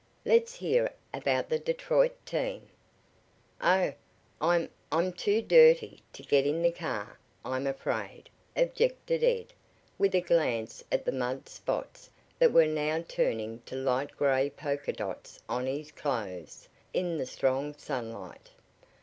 Let's hear about the Detroit team." "Oh, I'm I'm too dirty to get in the car, I'm afraid," objected Ed, with a glance at the mud spots that were now turning to light gray polka dots on his clothes, in the strong sunlight.